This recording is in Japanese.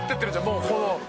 もうこの」